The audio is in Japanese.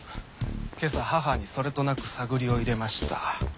今朝母にそれとなく探りを入れました。